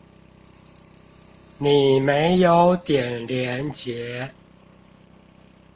你沒有點連結